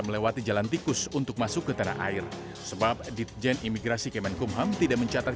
melewati jalan tikus untuk masuk ke tanah air sebab ditjen imigrasi kemenkumham tidak mencatat